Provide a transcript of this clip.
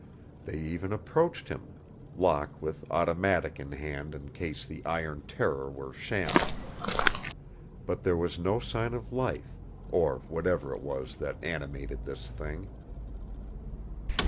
They even approached him, Locke with automatic in hand in case the iron terror were shamming. But there was no sign of life or whatever it was that animated this thing.